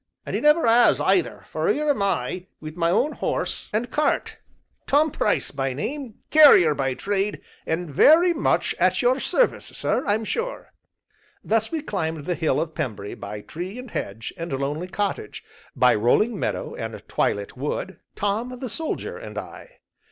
And he never 'as either, for here am I wi' my own horse and cart, Tom Price by name, carrier by trade, an' very much at your service, sir, I'm sure." Thus we climbed the hill of Pembry, by tree and hedge, and lonely cottage, by rolling meadow, and twilit wood, Tom the Soldier and I.